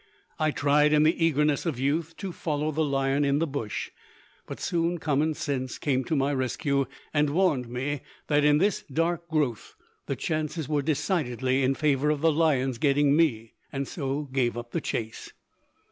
I tried, in the eagerness of youth, to follow the lion in the bush; but soon common sense came to my rescue, and warned me that in this dark growth the chances were decidedly in favor of the lion's getting me, and so gave up the chase.